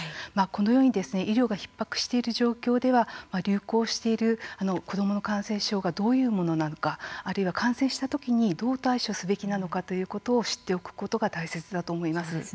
このように医療がひっ迫している状況では、流行している子どもの感染症がどういうものなのかあるいは感染したときにどう対処すべきなのかということを知っておくことが大切だと思います。